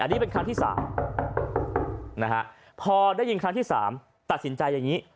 อันนี้เป็นครั้งที่๓พอได้ยินครั้งที่๓ตัดสินใจอย่างนี้